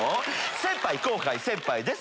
先輩後輩先輩です